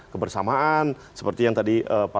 kebersamaan seperti yang tadi